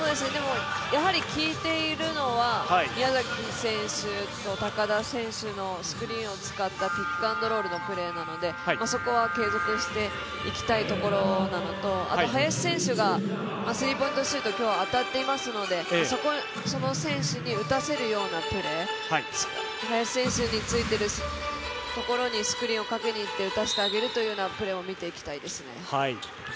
きいているのは宮崎選手と高田選手のスクリーンを使ったプレーなのでそこは継続していきたいところなのであと林選手がスリーポイントシュート、今日は当たっているのでその選手に打たせるような、選手についているところにスクリーンをかけにいって打たせてあげるというプレーを見てみたいですね。